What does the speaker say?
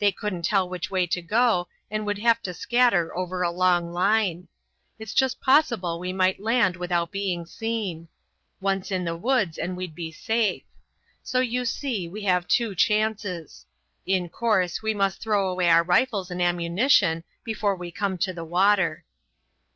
They couldn't tell which way to go and would have to scatter over a long line. It's just possible as we might land without being seen. Once in the woods and we'd be safe. So you see, we have two chances. In course we must throw away our rifles and ammunition before we come to the water."